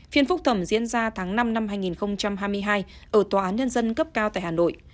phiên phúc thẩm diễn ra tháng năm năm hai nghìn hai mươi hai ở tòa án nhân dân cấp cao tại hà nội